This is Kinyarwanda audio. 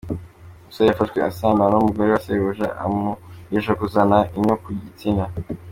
Umusore yafashwe asambana n’umugore wa Sebuja amurogesha kuzana inyo ku gitsina .